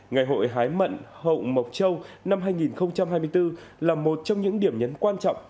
ngày hội hái mận hậu mộc châu năm hai nghìn hai mươi bốn là một trong những điểm nhấn quan trọng